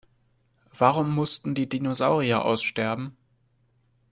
Warum mussten die Dinosaurier aussterben?